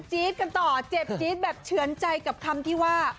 กันต่อเจ็บจี๊ดแบบเฉือนใจกับคำที่ว่า